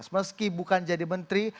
meski bukan jadi menteri